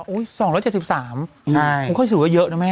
อุ้ย๒๗๓คุณค่อยถือว่าเยอะนะแม่